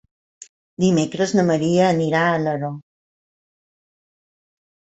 Dimecres na Maria anirà a Alaró.